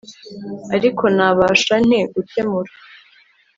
Ariko nabasha nte gukemura